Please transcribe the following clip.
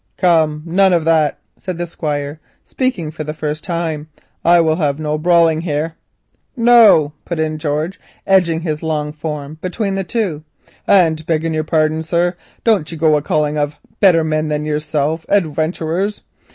"Come, none of that," said the Squire, speaking for the first time. "I will have no brawling here." "No," put in George, edging his long form between the two, "and begging your pardon, sir, don't you go a calling of better men than yourself adwenturers.